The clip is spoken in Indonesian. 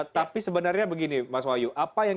tapi sebenarnya begini mas wahyu apa yang